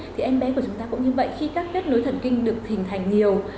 thì em bé của chúng ta cũng như vậy khi các kết nối thần kinh được hình thành nhiều